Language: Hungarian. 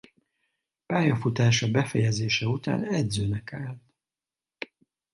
Pályafutása befejezése után edzőnek állt.